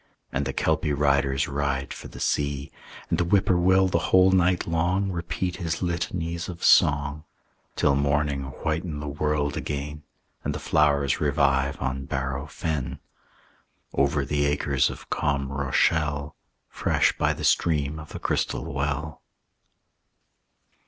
And the Kelpie riders ride for the sea; And the whip poor will the whole night long Repeat his litanies of song, Till morning whiten the world again, And the flowers revive on Bareau Fen, Over the acres of calm Rochelle Fresh by the stream of the crystal well.